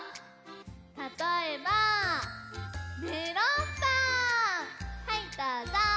たとえばメロンパン！